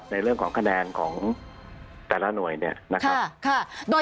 ในเรื่องของคะแนนของแต่ละหน่วยเนี่ยนะครับ